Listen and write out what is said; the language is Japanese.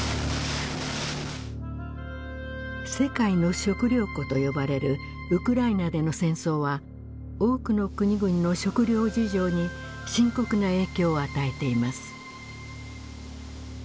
世界の食糧庫と呼ばれるウクライナでの戦争は多くの国々の食料事情に深刻な影響を与えています。